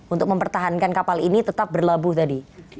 untuk mempertahankan kapal ini tetap berlabuh tadi